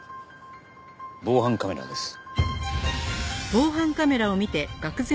防犯カメラです。